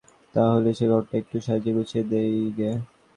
তা হলে সে ঘরটা একটু সাজিয়ে গুজিয়ে দিইগে।